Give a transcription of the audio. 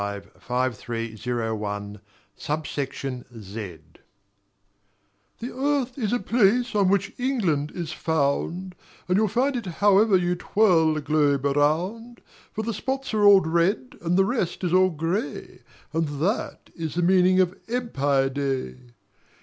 GEOGRAPHY Form 17955301, Sub Section Z The earth is a place on which England is found, And you find it however you twirl the globe round; For the spots are all red and the rest is all grey, And that is the meaning of Empire Day.